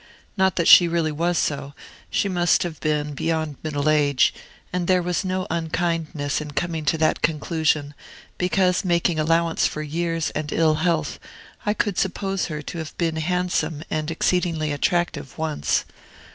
Not that she really was so; she must have been beyond middle age: and there was no unkindness in coming to that conclusion, because, making allowance for years and ill health, I could suppose her to have been handsome and exceedingly attractive once.